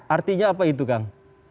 artinya apa itu kang